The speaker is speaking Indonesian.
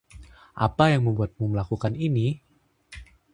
Apa yang membuatmu melakukan ini?